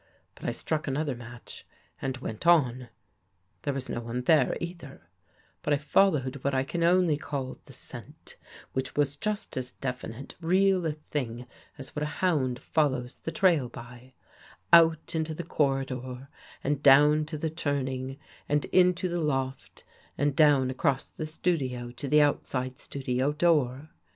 But I struck another match and went on. There was no one there either, but I fol lowed what I can only call the scent, which was just as definite, real a thing, as what a hound follows the trail by, out Into the corridor and down to the turn ing and Into the loft and down across the studio to the outside studio door.